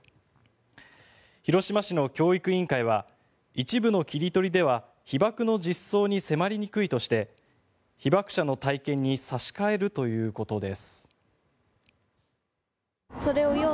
広島市の教育委員会は一部の切り取りでは被爆の実相に迫りにくいとして被爆者の体験に差し替えるということです。